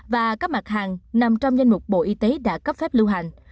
và các mặt hàng nằm trong danh mục bộ y tế đã cấp phép lưu hành